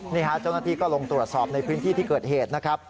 นี่ฮะเจ้าหน้าที่ก็ลงตรวจสอบในพื้นที่ที่เกิดเหตุนะครับ